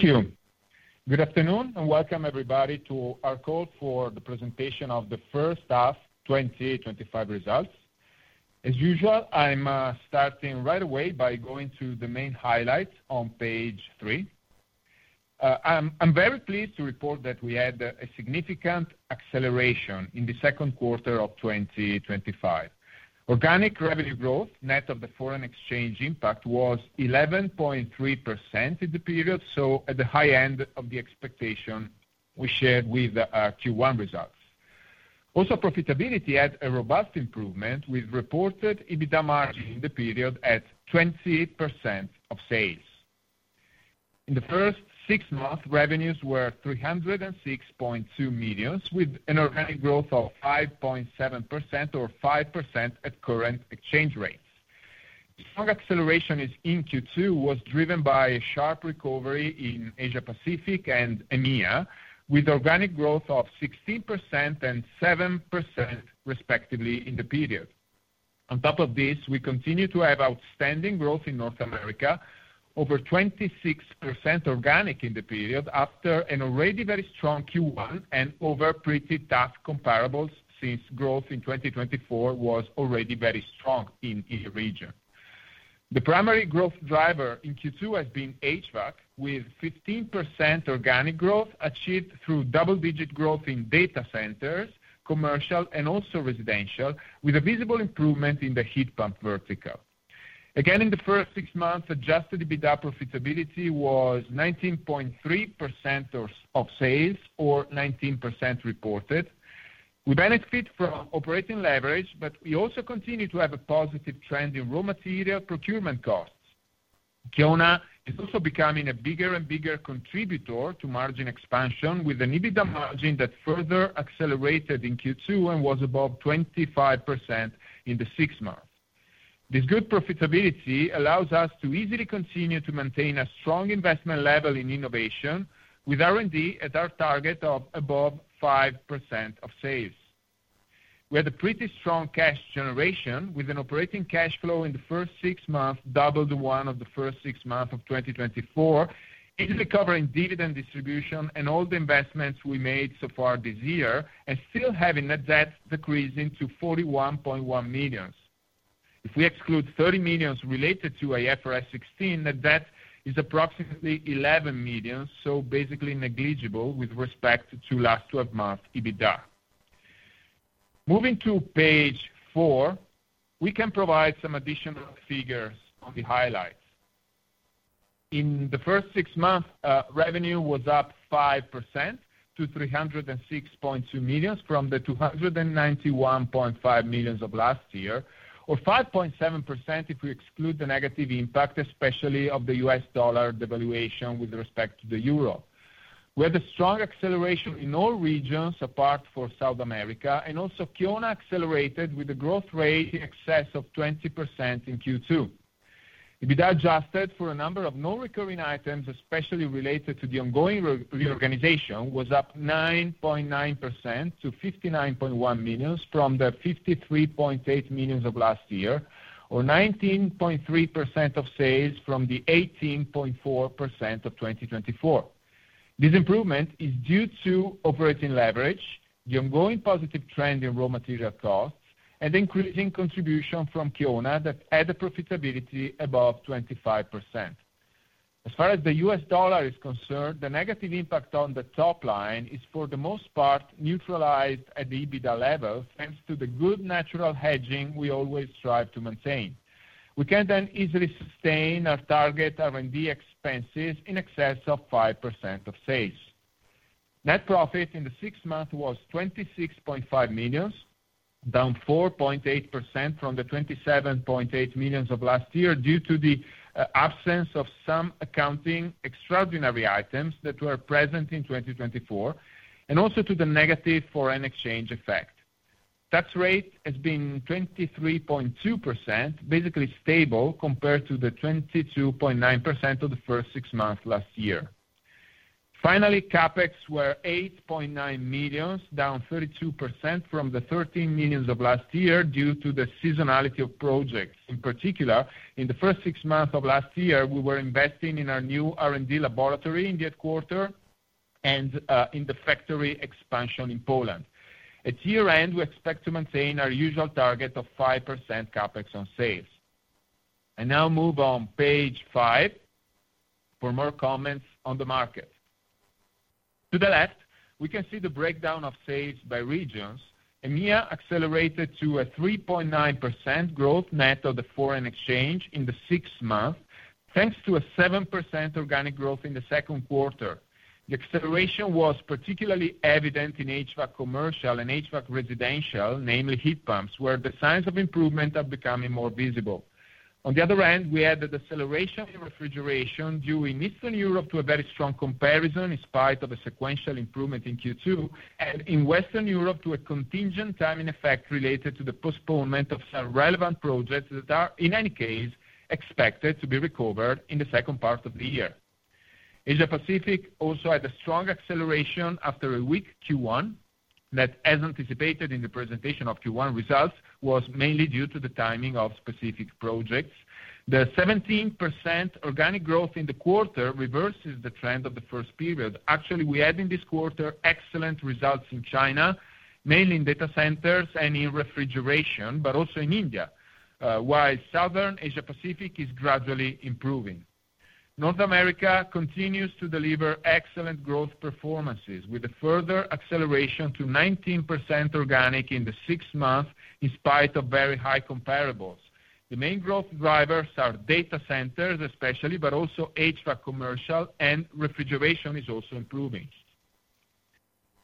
Thank you. Good afternoon and welcome everybody to our call for the presentation of the first half 2025 results. As usual, I'm starting right away by going to the main highlights on page three. I'm very pleased to report that we. Had a significant acceleration in the second quarter of 2025. Organic revenue growth net of the foreign exchange impact was 11.3% in the period, at the high end of the. We shared with our Q1 results. Also, profitability had a robust improvement, with reported EBITDA margin in the period at 28% of sales. In the first six months, revenues were 306.2 million with an organic growth of 5.7% or 5% at current exchange rates. Strong acceleration in Q2 was driven by a sharp recovery in Asia Pacific and EMEA, with organic growth of 16% and 7% respectively in the period. On top of this, we continue to have outstanding growth in North America, over 26% organic in the period after an already very strong Q1 and over pretty tough comparables since growth in 2024 was. Already very strong in the region. The primary growth driver in Q2 has been HVAC with 15% organic growth achieved through double-digit growth in data centers, commercial, and also residential, with a visible improvement in the heat pump vertical. Again, in the first six months, adjusted EBITDA profitability was 19.3% of sales or 19% reported. We benefit from operating leverage, but we also continue to have a positive trend in raw material procurement costs. Kiona is also becoming a bigger and bigger contributor to margin expansion, with an EBITDA margin that further accelerated in Q2 and was above 25% in the six months. This good profitability allows us to easily continue to maintain a strong investment level in innovation, with R&D at our target of above 5% of sales. We had a pretty strong cash generation, with an operating cash flow in the first six months double the one of the first six months of 2020, covering dividend distribution and all the investments we made so far this year and still having a debt decreasing to 41.1 million. If we exclude 30 million related to IFRS 16, the debt is approximately 11 million, so basically negligible with respect to. Last 12 months EBITDA. Moving to page 4, we can provide some additional figures on the highlights. In the first six months, revenue was up 5% to 306.2 million from the 291.5 million of last year, or 5.7% if we exclude the negative impact especially. Of the U.S. dollar devaluation with respect. To the euro, we had a strong acceleration in all regions apart from South America and also Kiona accelerated with a growth rate in excess of 20% in Q2. EBITDA, adjusted for a number of non-recurring items especially related to the ongoing reorganization, was up 9.9% to 59.1 million from the 53.8 million of last year, or 19.3% of sales from the 18.4% of 2024. This improvement is due to operating leverage, the ongoing positive trend in raw material cost, and increasing contribution from Kiona that had a profitability above 25%. As far as the U.S. dollar is concerned, the negative impact on the top line is for the most part neutralized. At the EBITDA level. Thanks to the good natural hedging we always strive to maintain, we can then easily sustain our target R&D expenses in excess of 5% of sales. Net profit in the sixth month was 26.5 million, down 4.8% from the 27.8 million of last year due to the absence of some accounting extraordinary items that were present in 2024 and also to the negative foreign exchange effect. Tax rate has been 23.2%, basically stable compared to the 22.9% of the first. Six months last year. Finally, CapEx were 8.9 million, down 32% from the 13 million of last year due to the seasonality of projects. In particular, in the first six months of last year we were investing in our new R&D laboratory in the quarter and in the factory expansion in Poland. At year end, we expect to maintain our usual target of 5% CapEx on sales. I now move on page 5 for more comments on the market. To the left, we can see the breakdown of sales by regions. EMEA accelerated to a 3.9% growth net of the foreign exchange in the six months thanks to a 7% organic growth in the second quarter. The acceleration was particularly evident in HVAC Commercial and HVAC Residential, namely heat pumps, where the signs of improvement are becoming more visible. On the other hand, we added acceleration in refrigeration due in Eastern Europe to a very strong comparison in spite of a sequential improvement in Q2 and in Western Europe to a contingent timing effect related to the postponement of some relevant projects that are in any case expected to be recovered in the second part of the year. Asia Pacific also had a strong acceleration after a weak Q1 that, as anticipated in the presentation of Q1 results, was mainly due to the timing of specific projects. The 17% organic growth in the quarter reverses the trend of the first period. Actually, we had in this quarter excellent results in China, mainly in data centers and in refrigeration, but also in India, while Southern Asia Pacific is gradually improving. North America continues to deliver excellent growth performances with a further acceleration to 19% organic in the six months in spite of very high comparables. The main growth drivers are data centers especially, but also HVAC. Commercial and refrigeration is also improving.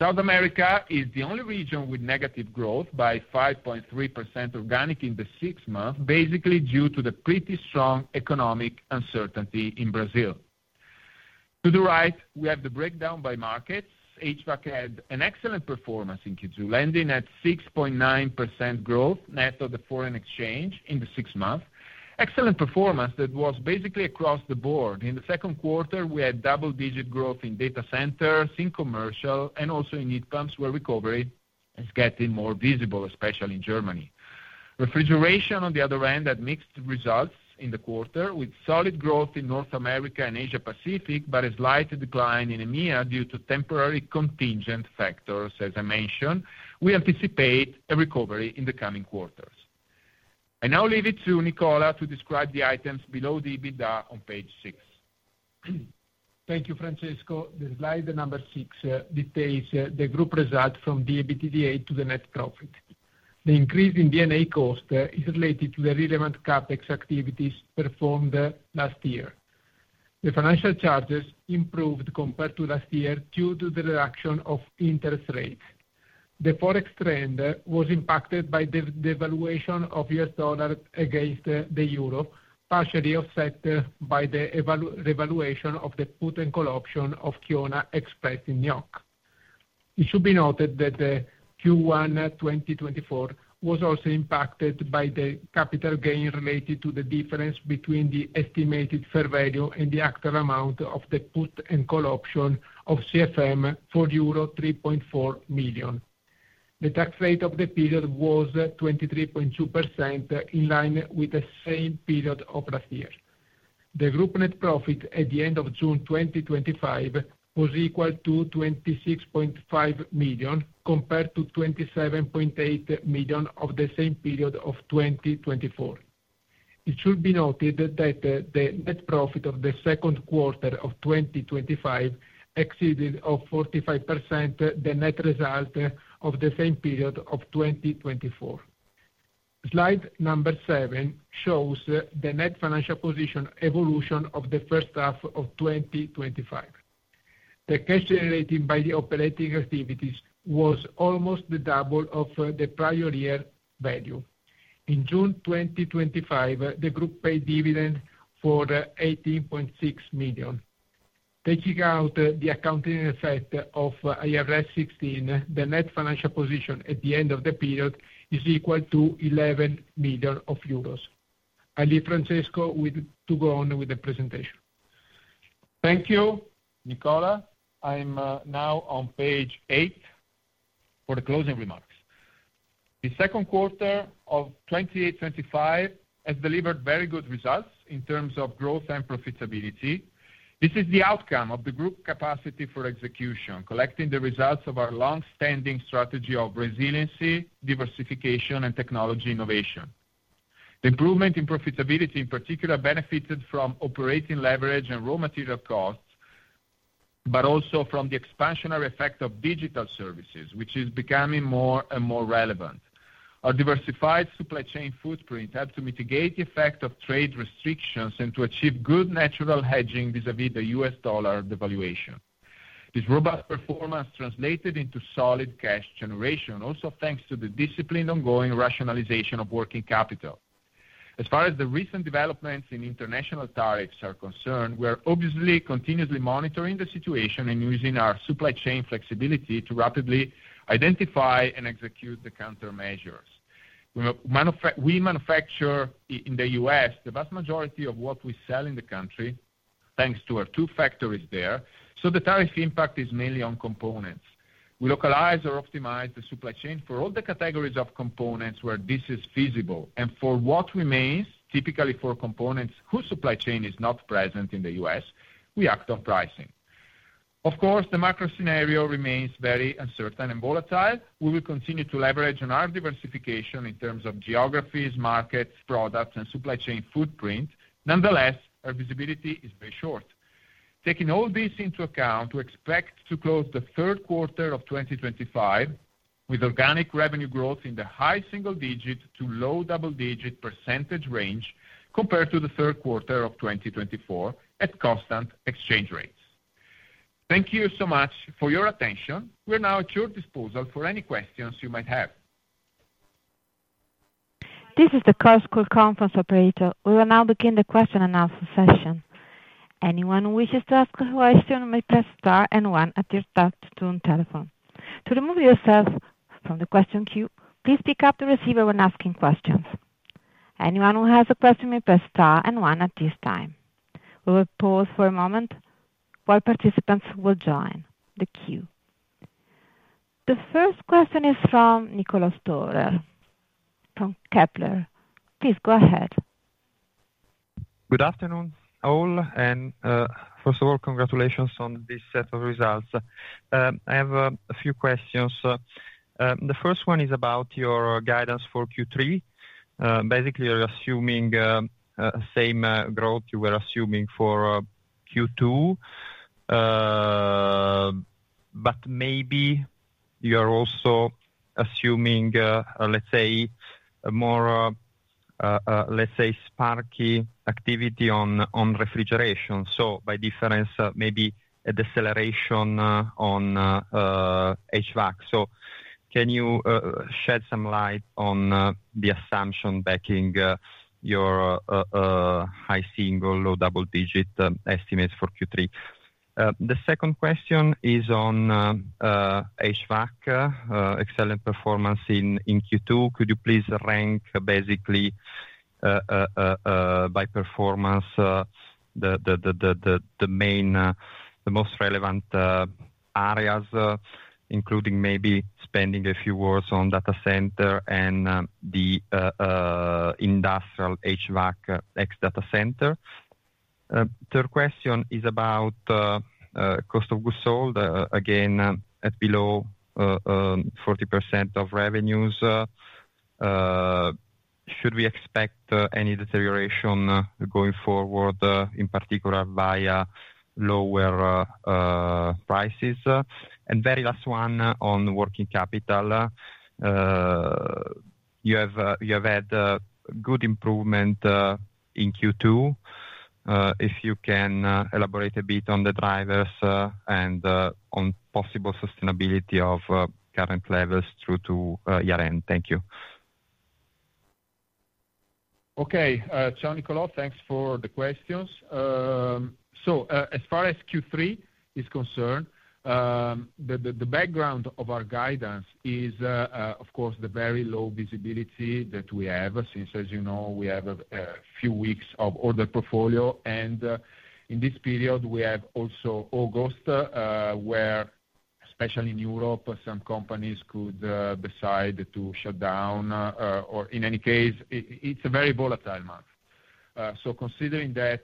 South America is the only region with negative growth by 5.3% organic in the six months basically due to the pretty. Strong economic uncertainty in Brazil. To the right we have the breakdown by markets. HVAC had an excellent performance in Q2, landing at 6.9% growth net of the foreign exchange in the six months. Excellent performance that was basically across the board. In the second quarter we had double-digit growth in data centers, in commercial, and also in heat pumps where recovery. Is getting more visible, especially in Germany. Refrigeration, on the other hand, had mixed results in the quarter with solid growth in North America and Asia Pacific, but a slight decline in EMEA due to temporary contingent factors. As I mentioned, we anticipate a recovery. In the coming quarters. I now leave it to Nicola to describe the items below the EBITDA on page six. Thank you, Francesco. The slide number six details the group result from the EBITDA to the net profit. The increase in D&A cost is related to the relevant CapEx activities performed last year. The financial charges improved compared to last year due to the reduction of interest rates. The forex trend was impacted by the devaluation of the U.S. dollar against the Euro, partially offset by the revaluation of the put and call option of Kiona Express in NOK. It should be noted that Q1 2024 was also impacted by the capital gain related to the difference between the estimated fair value and the actual amount of the put and call option of CFM for euro 3.4 million. The tax rate of the period was 23.2% in line with the same period of last year. The group net profit at the end of June 2025 was equal to 26.5 million compared to 27.8 million of the same period of 2024. It should be noted that the net profit of the second quarter of 2025 exceeded by 45% the net result of the same period of 2024. Slide number seven shows the net financial position evolution of the first half of 2025. The cash generated by the operating activities was almost double the prior year value. In June 2025, the group paid dividend for 18.6 million. Taking out the accounting effect of IFRS 16, the net financial position at the end of the period is equal to 11 million euros. I leave Francesco to go on with the presentation. Thank you, Nicola. I'm now on page 8 for the closing remarks. The second quarter of 2025 has delivered very good results in terms of growth and profitability. This is the outcome of the group capacity for execution, collecting the results of our long-standing strategy of resiliency, diversification, and technology innovation. The improvement in profitability in particular benefited from operating leverage and raw material costs, but also from the expansionary effect of digital services, which is becoming more and more relevant. Our diversified supply chain footprint helped to mitigate the effect of trade restrictions and to achieve good natural hedging vis-à-vis. Vis-à-vis the U.S. Dollar devaluation. This robust performance translated into solid cash generation, also thanks to the disciplined ongoing rationalization of working capital. As far as the recent developments in international tariffs are concerned, we are obviously continuously monitoring the situation and using our supply chain flexibility to rapidly identify and execute the countermeasures. We manufacture in the U.S. the vast majority of what we. Sell in the country, thanks to our two factories there. The tariff impact is mainly on components. We localize or optimize the supply chain for all the categories of components where this is feasible, and for what remains, typically for components whose supply chain is. Not present in the U.S., we act on pricing. Of course, the macro scenario remains very uncertain and volatile. We will continue to leverage on our. Diversification in terms of geographies, markets, products, and supply chain footprint. Nonetheless, our visibility is very short. Taking all this into account, we expect to close the third quarter of 2025 with organic revenue growth in the high single digit to low double digit % range compared to the third quarter of. 2024 at constant exchange rates. Thank you so much for your attention. We are now at your disposal for any questions you might have. This is the Course Core Conference Operator. We will now begin the question announcement session. Anyone who wishes to ask a question may press star and one on your telephone to remove yourself from the question queue. Please pick up the receiver when asking questions. Anyone who has a question may press star and one at this time. We will pause for a moment while participants join the queue. The first question is from Nicolas Torer from Kepler. Please go ahead. Good afternoon all and first of all, congratulations on this set of results. I have a few questions. The first one is about your guidance for Q3. Basically, you're assuming same growth you were assuming for Q2, but maybe you are also assuming, let's say, more, let's say, sparky activity on refrigeration. By difference, maybe a deceleration on HVAC. Can you shed some light on the assumption backing your high single, low double digit estimates for Q3? The second question is on HVAC, excellent performance in Q2. Could you please rank basically by performance the main, the most relevant areas, including maybe spending a few words on data centers and the industrial HVAC ex data centers? Third question is about cost of goods sold again at below 40% of revenues. Should we expect any deterioration going forward, in particular via lower prices? Very last one on working capital, you have had good improvement in Q2. If you can elaborate a bit on the drivers and on possible sustainability of current levels through to year end. Thank you. Okay, Nicola, thanks for the questions. As far as Q3 is concerned. The background of our guidance is of course the very low visibility that we have since as you know, we have a few weeks of order portfolio and in this period we have also August, where especially in Europe, some companies could decide to shut down or in any. Case, it's a very volatile month. Considering that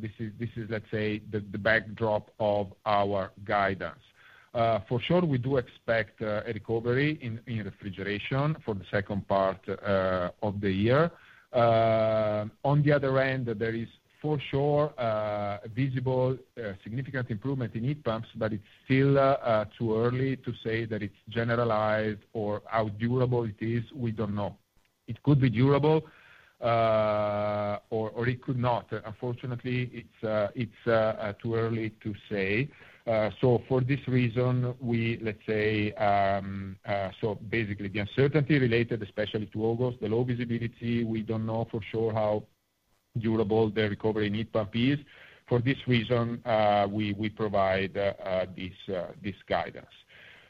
this is, let's say, the backdrop of our guidance, for sure we do expect a recovery in refrigeration for the second part of the year. On the other end, there is for. Sure, visible significant improvement in heat pumps. It's still too early to say that it's generalized or how durable it is. We don't know. It could be durable or it could not. Unfortunately it's too early to say. For this reason, we let's say. The uncertainty related especially to. August, the low visibility, we don't know for sure how durable the recovery heat pump is. For this reason we provide this guidance.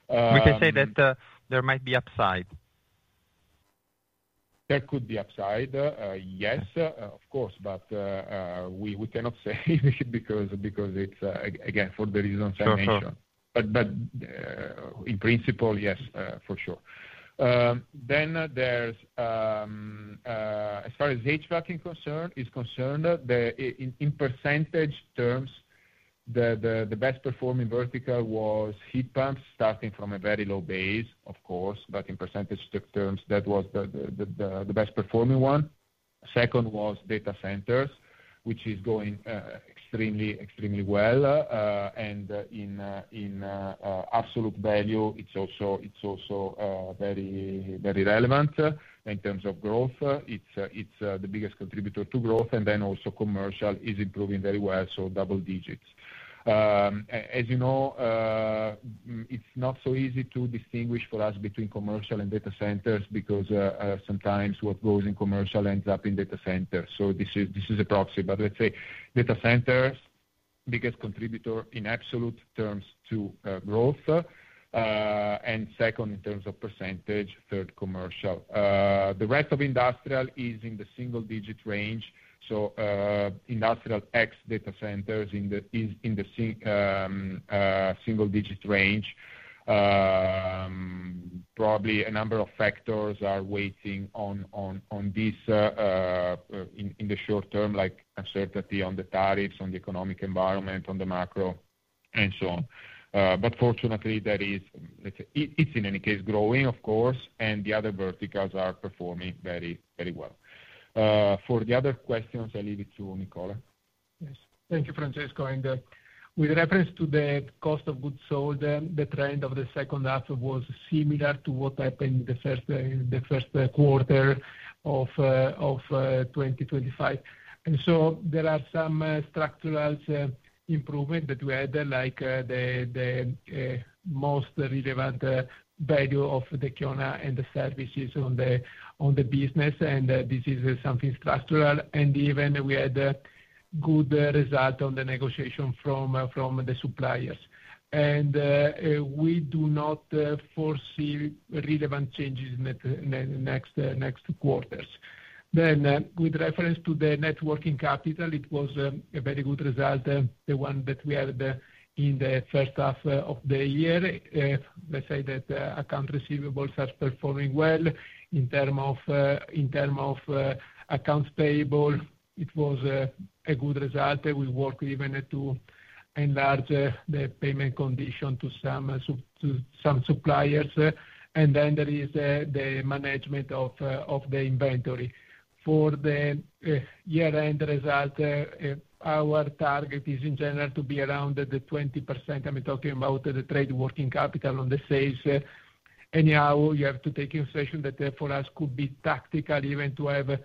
We can say that there might be upside. There could be upside, yes, of course, but we cannot say because it's again for the reasons I mentioned, but in principle, yes, for sure. As far as HVAC. As concerned, in percentage terms the best. Performing vertical was heat pumps, starting from a very low base, of course, but in percentage terms that was the best performing one. Second was data centers, which is going extremely, extremely well. In absolute value, it's also very relevant in terms of growth; it's the biggest contributor to growth, and commercial is improving very well. Double digits. As you know, it's not so easy to distinguish for us between commercial and data centers, because sometimes what goes in commercial ends up in data centers. This is a proxy, but let's say data centers are the biggest contributor in absolute terms to growth, and second in terms of percentage, third commercial. The rest of industrial is in the single-digit range. Industrial X data centers are in the single digit range. Probably a number of factors are weighing on this in the short term, like uncertainty on the tariffs, on the economic environment, on the macro and so on. Fortunately, that is, it's in any case growing, of course, and the other verticals are performing very well. For the other questions, I leave it to Nicola. Thank you, Francesco. With reference to the cost of goods sold, the trend of the second half was similar to what happened in the first quarter of 2025. There are some structural improvements that we had, like the most relevant value of the Kiona and the services on the business. This is something structural. We had good result on the negotiation from the suppliers. We do not foresee relevant changes in the next quarters. With reference to the net working capital, it was a very good result, the one that we had in the first half of the year. They say that account receivables are performing well. In terms of accounts payable, it was a good result. We work even to enlarge the payment condition to some suppliers. There is the management of the inventory for the year end result. Our target is in general to be around 20%. I'm talking about the trade working capital on the sales. You have to take consideration that for us it could be tactical, even to have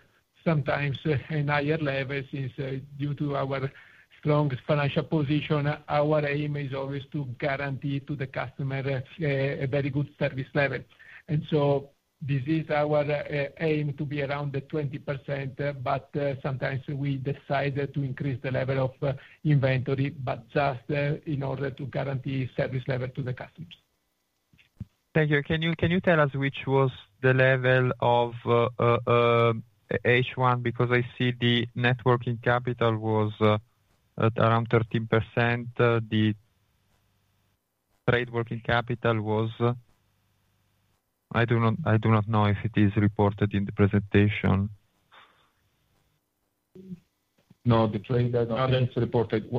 sometimes a higher level. Since due to our strongest financial position, our aim is always to guarantee to the customer a very good service level. This is our aim to be around 20%, but sometimes we decide to increase the level of inventory, just in order to guarantee service level to the customer. Thank you. Can you tell us which was the level of H1? Because I see the net working capital was at around 13%. The trade working capital was. I do not know if it is reported in the presentation. No earnings reported.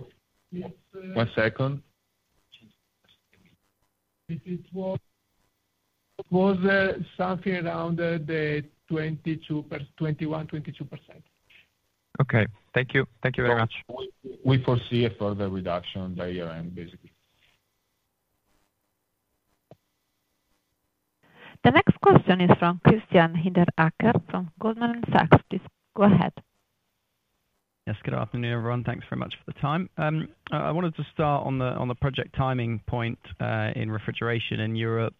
One second. Was something around the 21%, 22%. Okay, thank you. Thank you very much. We foresee a further reduction at the year end. Basically. The next question is from Christian Hinderaker from Goldman Sachs. Go ahead. Yes, good afternoon everyone. Thanks very much for the time. I wanted to start on the project timing point in refrigeration in Europe.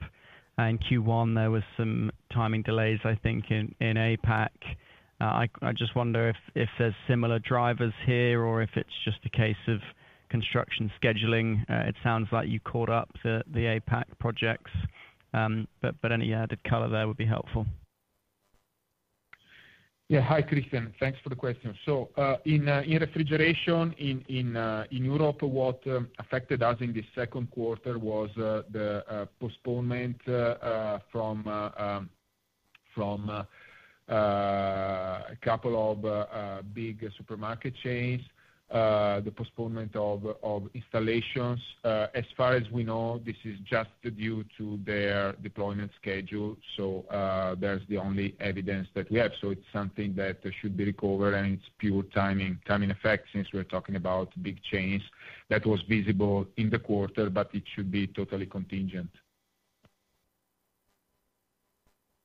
In Q1 there were some timing delays. I think in Asia Pacific, I just wonder if there's similar drivers here or if it's just a case of construction scheduling. It sounds like you caught up the Asia Pacific projects, but any added color there would be helpful. Yeah. Hi Christian, thanks for the question. In refrigeration in Europe, what affected. In the second quarter, the postponement from a couple of big supermarket chains was the postponement of installations. As far as we know, this is just due to their deployment schedule. There's the only evidence that we have, something that should be recovered. It's pure timing, timing effect, since we're talking about big chains. That was visible in the quarter, but it should be totally contingent.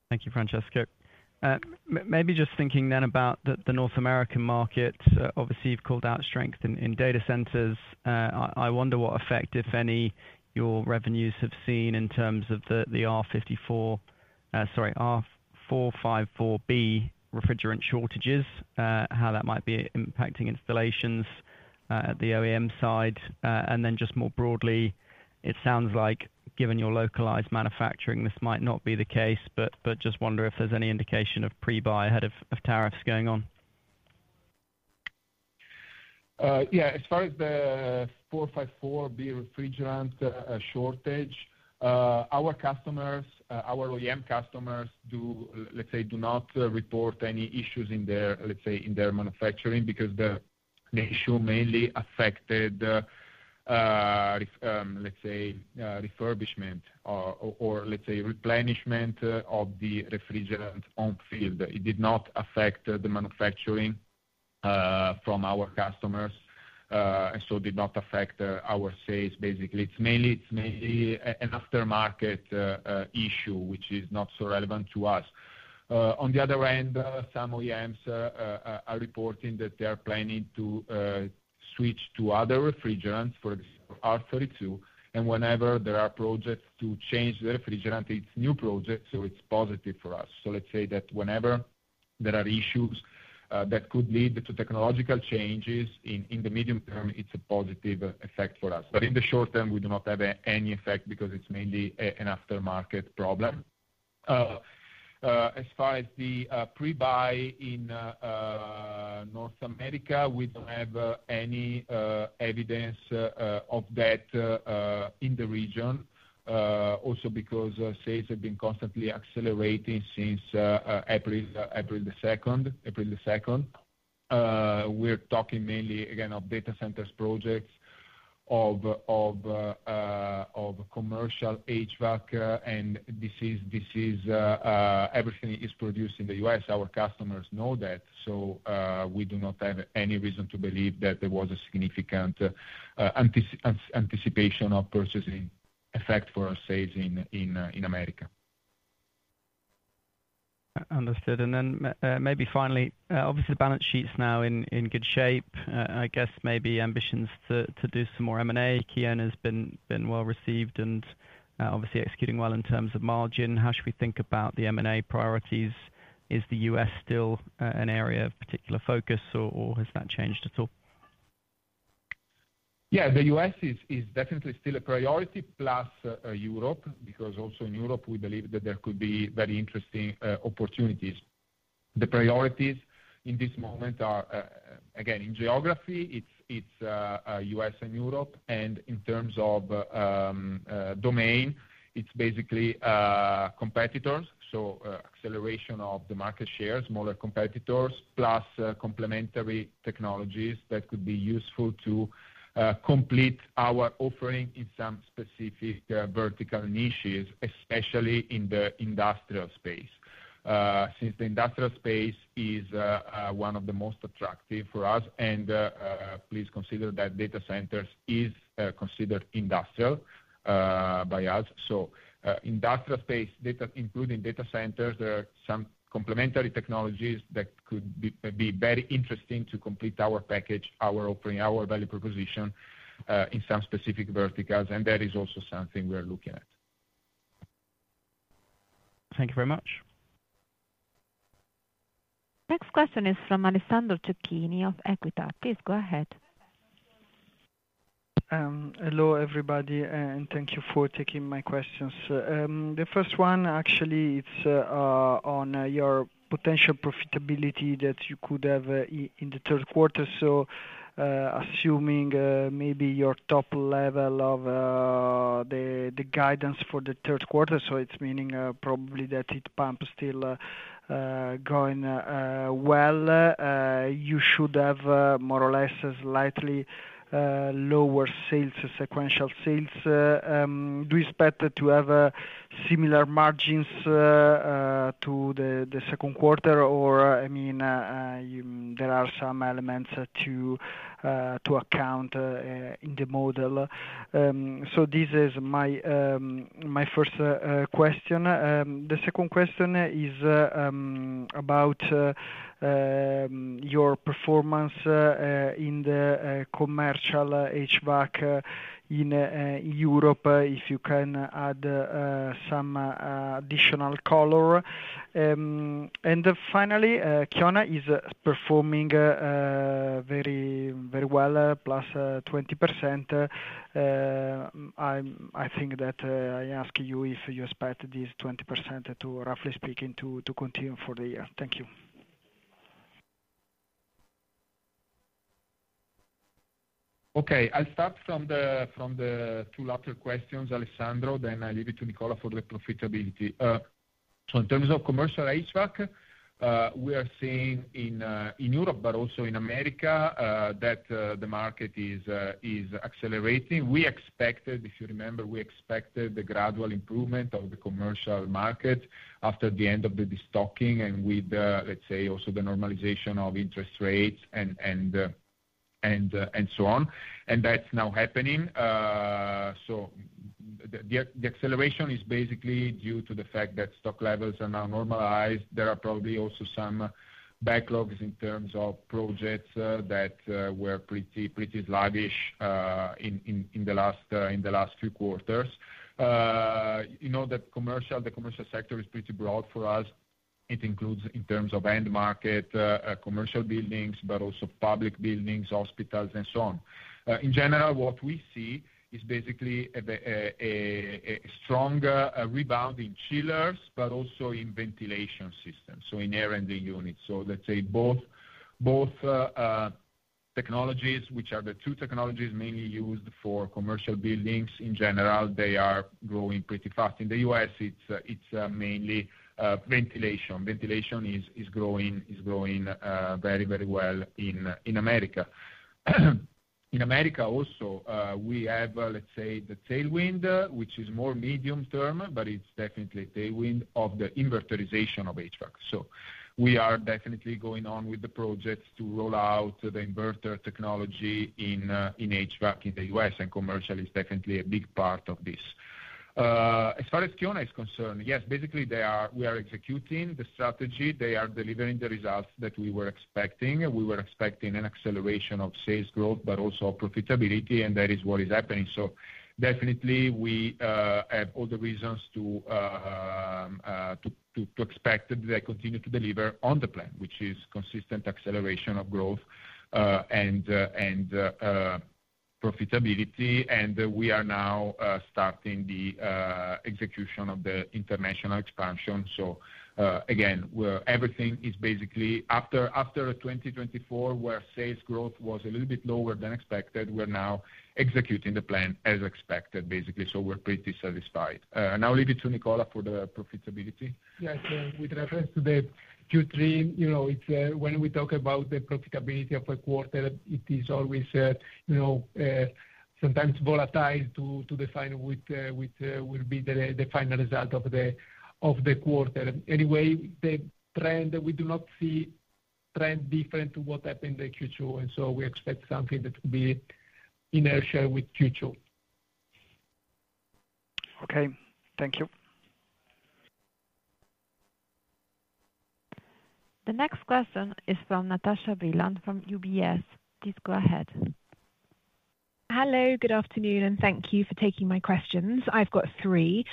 Thank you, Francesco. Maybe just thinking then about the North American market. Obviously you've called out strength in data centers. I wonder what effect, if any, your revenues have seen in terms of the R-454B refrigerant shortages, how that might be impacting installations at the OEM side. More broadly, it sounds like given your localized manufacturing, this might not be the case. I just wonder if there's any indication of pre buy ahead of tariffs going on. Yeah. As far as the 454B refrigerant shortage, our customers, our OEM customers do. Do not report any issues in their manufacturing because the issue mainly affected refurbishment or replenishment of the refrigerant on field. It did not affect the manufacturing from our customers, so did not affect our sales. Basically, it's mainly an aftermarket issue which is not so relevant to us. On the other hand, some OEMs are reporting that they are planning to switch to other refrigerants for R-32. Whenever there are projects to change the refrigerant, it's a new project, so it's positive for us. Let's say that whenever there are issues that could lead to technological changes in the medium term, it's a positive effect for us. In the short term, we do not have any effect because it's mainly an aftermarket problem. As far as the pre buy in North America, we don't have any evidence of that in the region, also because sales have been constantly accelerating since April 2nd. April 2nd, we're talking mainly again of data centers, projects of commercial HVAC, and everything is produced in the U.S. Our customers know that. We do not have any reason to believe that there was a significant anticipation of purchasing effect for our sales in America. Understood. Maybe finally, obviously the balance sheet's now in good shape. I guess maybe ambitions to do some more M&A. Kiona has been well received and obviously executing well. In terms of margin, how should we think about the M&A priorities? Is the U.S. still an area of particular focus or has that changed at all? Yeah, the U.S. is definitely still a. Priority, plus Europe, because also in Europe we believe that there could be very interesting opportunities. The priorities in this moment are again in geography, it's U.S. and Europe. In terms of domain, it's basically competitors. Acceleration of the market share, smaller competitors, plus complementary technologies that could be useful to complete our offering in some specific vertical niches, especially in the industrial space, since the industrial space is one of the most attractive for us. Please consider that data centers is considered industrial by us. Industrial space, including data centers, there are some complementary technologies that could be very interesting to complete our package, our offering, our value proposition in some specific verticals. That is also something we are looking at. Thank you very much. Next question is from Alessandro Cecchini of EQUITA. Please go ahead. Hello everybody and thank you for taking my questions. The first one, actually it's on your potential profitability that you could have in the third quarter. Assuming maybe your top level of the guidance for the third quarter, it's meaning probably that heat pumps still going well, you should have more or less slightly lower sales, sequential sales. Do you expect to have similar margins to the second quarter, or are there some elements to account in the model? This is my first question. The second question is about your performance in the commercial HVAC in Europe. If you can add some additional color. Finally, Kiona is performing very, very well, plus 20%. I think that I ask you if you expect this 20% to, roughly speaking, to continue for the year. Thank you. Okay, I'll start from the two latter questions, Alessandro. I'll leave it to Nicola for the profitability. In terms of commercial HVAC. We are seeing in Europe, but also in America, that the market is accelerating. We expected, if you remember, we expected the gradual improvement of the commercial market after the end of the destocking, and with, let's say, also the normalization of interest rates and so on. That's now happening. The acceleration is basically due to the fact that stock levels are now normalized. There are probably also some backlogs in terms of projects that were pretty sluggish in the last few quarters. The commercial sector is pretty broad for us. It includes, in terms of end market, commercial buildings, but also public buildings, hospitals, and so on. In general, what we see is basically a strong rebound in chillers, but also. In ventilation systems, in air and the units, both technologies, which are the two technologies mainly used for commercial buildings in general, are growing pretty fast. In the U.S. it's mainly ventilation. Ventilation is growing very, very well. In America also, we have, let's say. The tailwind, which is more medium term. It's definitely tailwind of the inverterization of HVAC. We are definitely going on with the project to roll out the inverter technology in HVAC in the U.S., and commercial is definitely a big part of this. As far as Kiona is. Yes, basically we are executing the strategy. They are delivering the results that we were expecting. We were expecting an acceleration of sales growth, but also profitability. That is what is happening. We have all the reasons to expect that they continue to deliver on the plan, which is consistent acceleration of growth and profitability. We are now starting the execution of the international expansion. Everything is basically after 2024, where sales growth was a little bit lower than expected. We're now executing the plan as expected, basically. We're pretty satisfied now. Leave it to Nicola for the profitability. Yes, with reference to the Q3, when we talk about the profitability of a quarter, it is always sometimes volatile to define which will be the final result of the quarter. Anyway, we do not see trend different to what happened in Q2, and we expect something that will be inertia with Q2. Okay, thank you. The next question is from Natasha Brilliant from UBS. Please go ahead. Hello, good afternoon and thank you for taking my questions. I've got three.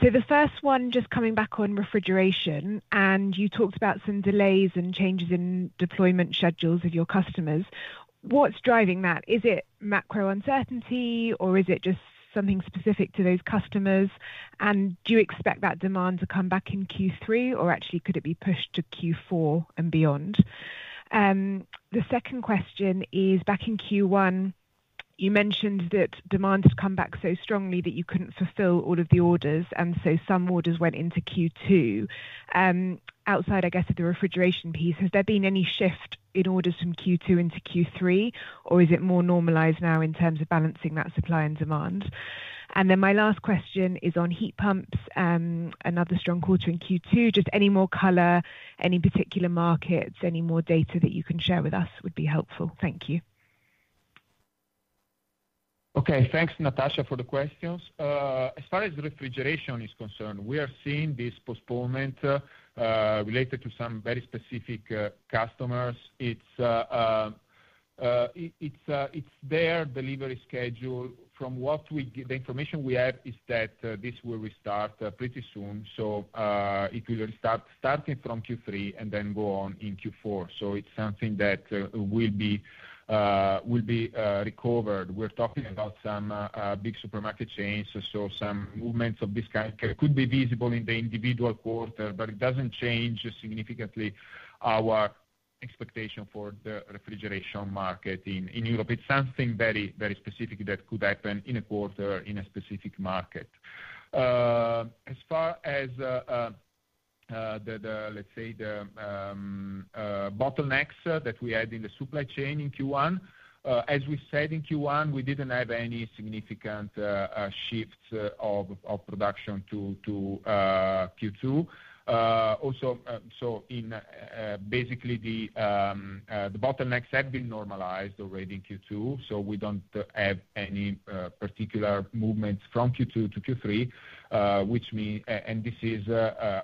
The first one, just coming back on refrigeration and you talked about some delays and changes in deployment schedules of your customers. What's driving that? Is it macro uncertainty or is it just something specific to those customers? Do you expect that demand to come back in Q3 or could it be pushed to Q4 and beyond? The second question is, back in Q1 you mentioned that demand has come back so strongly that you couldn't fulfill all of the orders. Some orders went into Q2 outside, I guess, at the refrigeration piece. Has there been any shift in orders from Q2 into Q3 or is it more normalized now in terms of balancing that supply and demand? My last question is on heat pumps. Another strong quarter in Q2. Any more color, any particular markets, any more data that you can share with us would be helpful, thank you. Okay, thanks, Natasha, for the questions. As far as refrigeration is concerned, we. Are seeing this postponement related to some very specific customers. It's their delivery schedule. From what we. The information we have is that this will restart pretty soon. It will start starting from Q3 and then go on in Q4. It's something that will be recovered. We're talking about some big supermarket change. Some movements of this kind could be visible in the individual quarter, but it doesn't change significantly our expectation for the refrigeration market in Europe. It's something very, very specific that could happen in a quarter in a specific market. As far as. Let's say, the bottlenecks that we had in the supply chain. In Q1, as we said in Q1. We didn't have any significant shifts of production to Q2. Also in basically, the bottlenecks have been normalized already in Q2, so we don't have any particular movements from Q2 to Q3, which means, and this is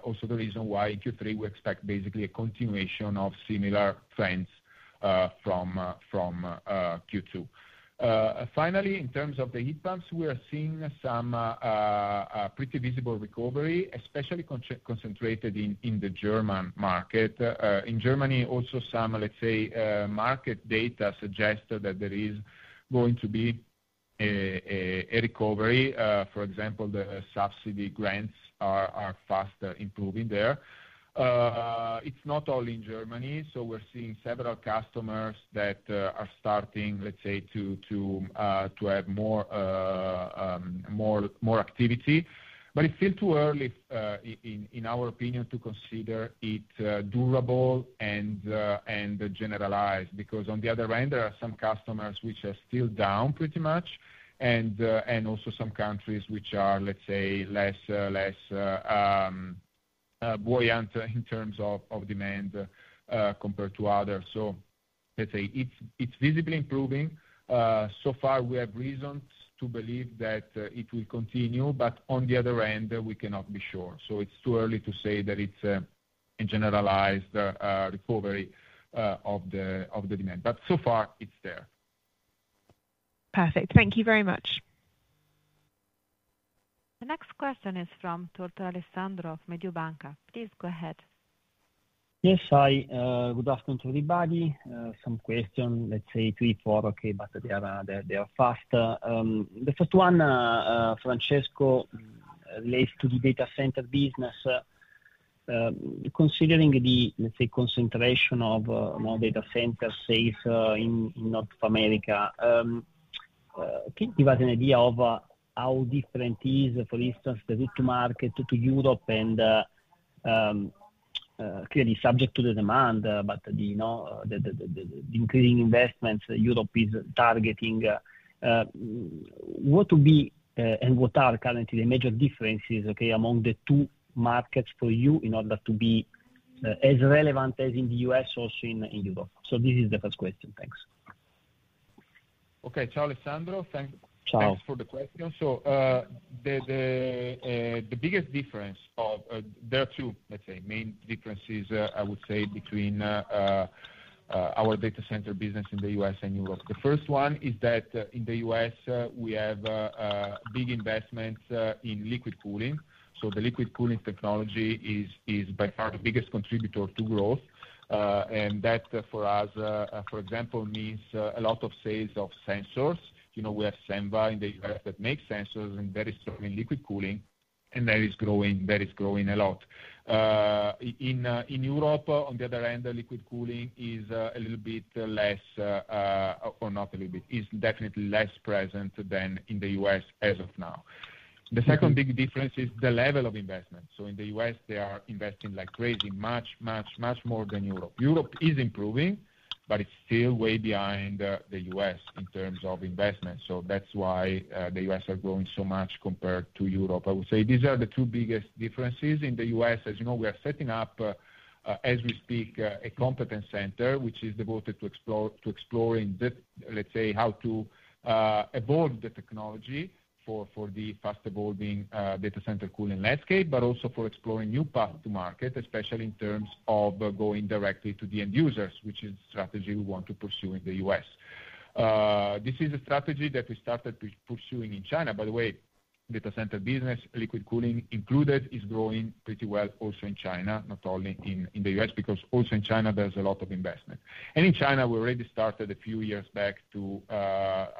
also the reason why in Q3 we expect basically a continuation of similar trends from Q2. Finally, in terms of the heat pumps. We are seeing some pretty visible recovery, especially concentrated in the German market. In Germany, also, some market data suggested that there is going to be a recovery. For example, the subsidy grants are faster improving there. It's not only in Germany. We're seeing several customers that are starting to have more. Activity. It's still too early in our opinion to consider it durable and generalized, because on the other end there are some customers which are still down pretty much, and also some countries which are, let's say, less buoyant in terms of demand compared to others. It's visibly improving so far. We have reasons to believe that it will continue, but on the other hand we cannot be sure. It's too early to say that it's generalized, the recovery of the demand, but so far it's there. Perfect. Thank you very much. The next question is from Tortora Alessandro of Mediobanca. Please go ahead. Yes. Hi, good afternoon to everybody. Some questions, let's say three, four. Okay, but they are fast. The first one, Francesco, relates to the data center business. Considering the concentration of more data center sales in North America, can you give us an idea of how different is, for instance, the route to market to Europe and clearly subject to the demand, but the increasing investments Europe is targeting? What would be and what are currently the major differences among the two markets for you in order to be as relevant as in the U.S. also in Europe? This is the first question. Thanks. Okay. Charles Sandro. Thanks. Charles. Thanks for the question. So. The biggest difference there are. Two main differences, I would say, between our data center business in the U.S. and Europe. The first one is that in the. U.S. we have big investments in liquid cooling. The liquid cooling technology is by far the biggest contributor to growth. That for us, for example, means a lot of sales of sensors. We have Senva in the U.S. that makes sensors and is very strong in liquid cooling, and that is growing a lot in Europe. On the other hand, liquid cooling is definitely less present than in the U.S. as of now. The second big difference is the level of investment. In the U.S. they are investing like crazy, much, much, much more than Europe. Europe is improving, but it's still way behind the U.S. in terms of investment. That's why the U.S. are growing so much compared to Europe. I would say these are the two biggest differences. In the U.S., as you know, we are setting up, as we speak, a competence center which is devoted to exploring, let's say, how to evolve the technology for the fast-evolving data center cooling landscape, but also for exploring new paths to market, especially in terms of going directly to the end users, which is a strategy we want to pursue in the U.S.. This is a strategy that we started pursuing in China. By the way, data center business, liquid cooling included, is growing pretty well also in China, not only in the U.S. because also in China a lot of investment. In China we already started a. few years back, to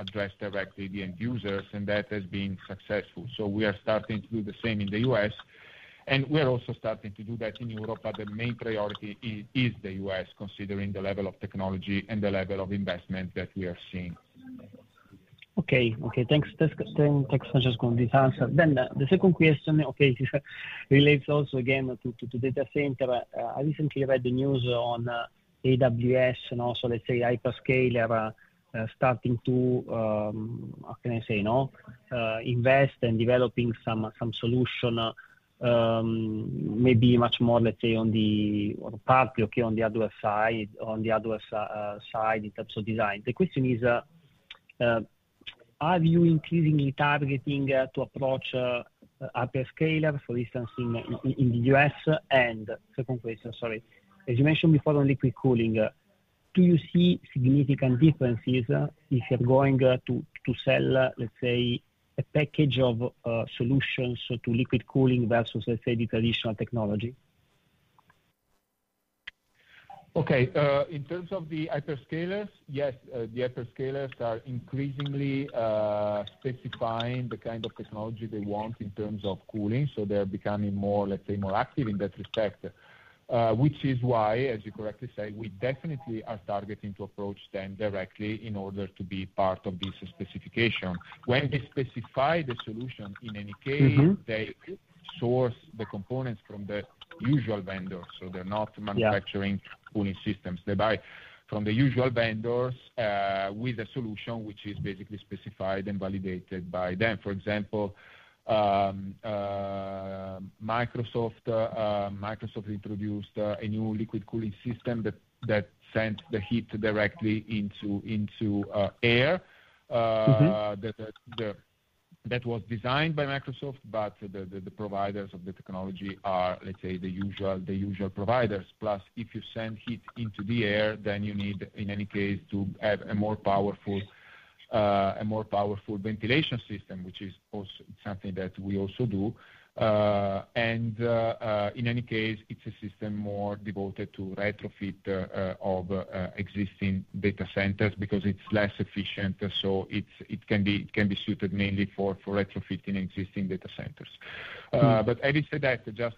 address directly the end users, and that has been successful. We are starting to do the same in the U.S., and we are also starting to do that in Europe. The main priority is the U.S., considering the level of technology and the level of investment that we are seeing. Okay, thanks for just going this answer. The second question relates also again to data centers. I recently read the news on AWS and also, let's say, hyperscalers starting to, how can I say, invest in developing some solution, maybe much more, let's say, on the part. On the other side, in terms of design, the question is are you increasingly targeting to approach upper scale, for instance in the U.S.? Second question, as you mentioned before on liquid cooling, do you see significant differences if you're going to sell, let's say, a package of solutions to liquid cooling versus, let's say, the traditional technology? Okay. In terms of the hyperscalers, yes. The hyperscalers are increasingly specifying the kind of technology they want in terms of cooling. They're becoming more, let's say, more active in this respect. Which is why, as you correctly say. We definitely are targeting to approach them directly in order to be part of this specification when they specify the solution. In any case, they source the components. They buy from the usual vendors with a solution which is basically specified and validated by them. They're not manufacturing systems. For example. Microsoft introduced a new liquid cooling system that sent the heat directly into air. That was designed by Microsoft. The providers of the technology are, let's say, the usual providers. Plus, if you send heat into the air, then you need in any case to have a more powerful ventilation system, which is something that we also do. In any case, it's a system more devoted to retrofit of existing data centers because it's less efficient. It can be suited mainly for retrofit in existing data centers. Having said that, just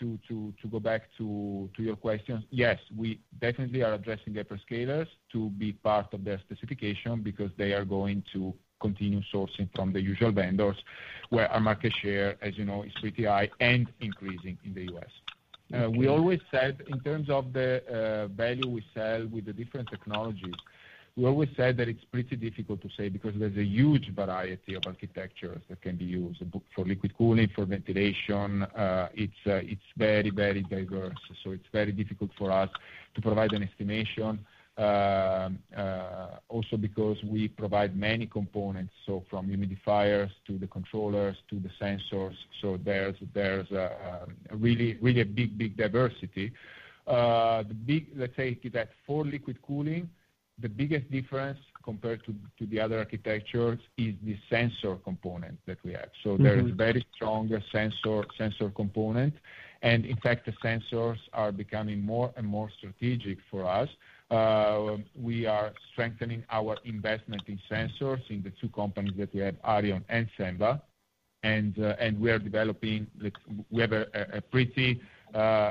to go back to your question, yes, we definitely are addressing hyperscalers to be part of their specification because they are going to continue sourcing from the usual vendors where our market share, as you know, is pretty high and increasing. In the U.S., we always said in terms of the value we sell with the different technologies, we always said that it's pretty difficult to say because there's a huge variety of architectures that can be used for liquid cooling. For ventilation in it's very, very diverse. It's very difficult for us to provide an estimation also because we provide many components, from humidifiers to the controllers to the sensors. There's really, really a big, big diversity. Let's say that for liquid cooling, the. biggest difference compared to the other architectures is the sensor component that we have. There is a very strong sensor component. In fact, they are becoming more and more strategic for us. We are strengthening our investment in sensors in the two companies that we have, Arion and Semba, and we are developing. We have a pretty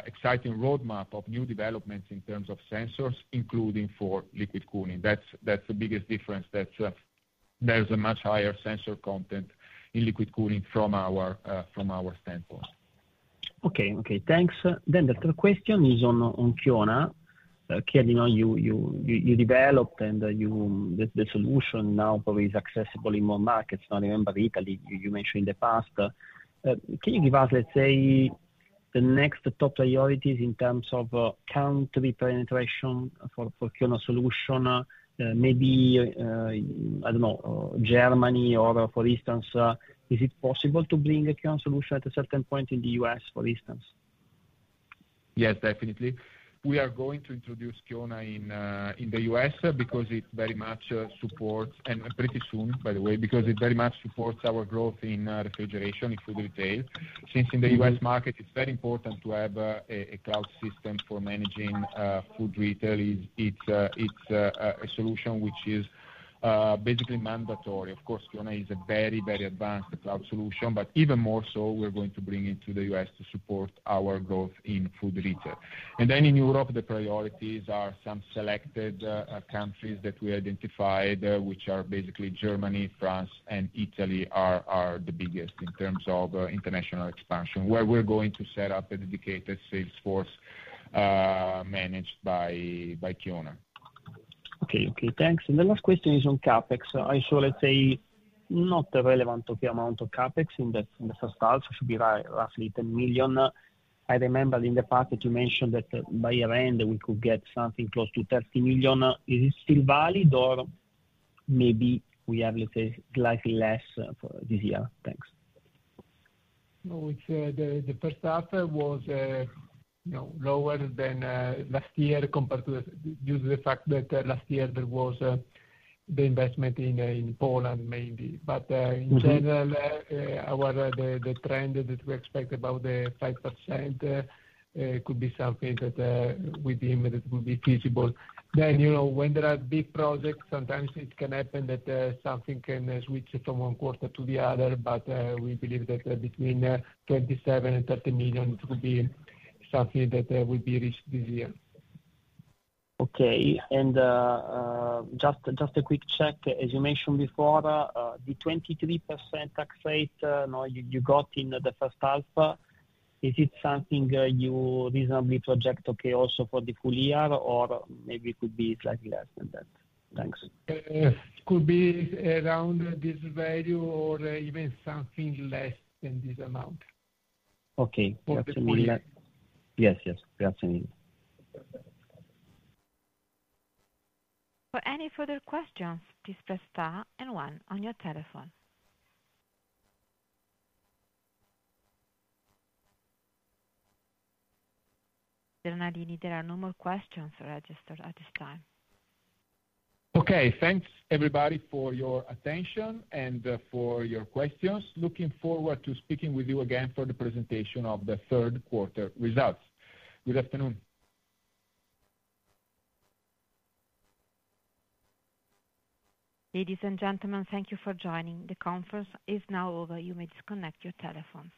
exciting roadmap of new developments in terms of sensors, including for liquid cooling. That's the biggest difference, that there's a much higher sensor content in liquid cooling from our standpoint. Okay, thanks. The third question is on Kiona, you developed and the solution now probably is accessible in more markets, not even by Italy you mentioned in the past. Can you give us, let's say, the next top priorities in terms of country penetration for Kiona solution? Maybe, I don't know, Germany or for instance, is it possible to bring a Kiona solution at a certain point in the U.S. for instance? Yes, definitely we are going to introduce. Kiona in the U.S. because it very much supports, and pretty soon, by the way, because it very much supports our growth in refrigeration in food retail. Since in the U.S. market it's very. Important to have a cloud system for managing food retail. It's a solution which is basically mandatory. Of course, Kiona is a very, very advanced cloud solution. Even more so, we're going to bring it to the U.S. to support our growth in food retail. In Europe, the priorities are some selected countries that we identified, which are basically Germany, France, and Italy, the biggest in terms of international expansion, where we're going to set up a dedicated salesforce managed by Kiona. Okay, thanks. The last question is on CapEx. I saw, let's say, not the relevant of the amount of CapEx in the first half, it should be roughly 10 million. I remember in the past that you mentioned that by year end we could get something close to 30 million. Is it still valid? Or maybe we have, let's say, slightly less this year. Thanks. No, it's. The first half was lower than last year compared to. Due to the fact that last year there was the investment in Poland mainly. In general, the trend that we expect about the 5% could be something that we deemed it would be feasible. You know, when there are big projects, sometimes it can happen that something can switch from one quarter to the other. We believe that between 27 million and 30 million will be something that will be reached this year. Okay, and just a quick check, as you mentioned before, the 23% tax rate you got in the first half, is it something you reasonably project? Okay. Also for the full year, or maybe it could be slightly less than that. Thanks. It could be around this value or even something less than this amount. Okay. Yes. Yes. For any further questions, please press star and one on your telephone. Bernardini, there are no more questions registered at this time. Okay, thanks everybody for your attention and for your questions. Looking forward to speaking with you again. The presentation of the third quarter results. Good afternoon. Ladies and gentlemen, thank you for joining. The conference is now over. You may disconnect your telephones.